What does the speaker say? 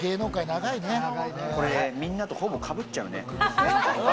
これ、みんなと、ほぼかぶっちゃうね。